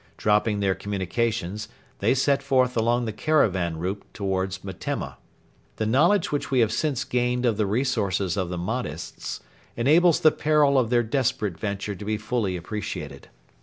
Dropping their communications, they set forth along the caravan route towards Metemma. The knowledge which we have since gained of the resources of the Mahdists enables the peril of their desperate venture to be fully appreciated.